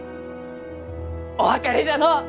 お別れじゃのう！